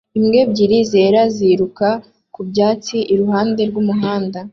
Imbwa ebyiri zera ziruka ku byatsi iruhande rw'umuhanda